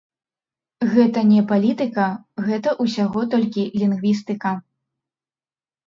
Гэта не палітыка, гэта ўсяго толькі лінгвістыка.